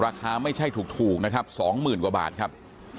ราคาไม่ใช่ถูกนะครับสองหมื่นกว่าบาทครับ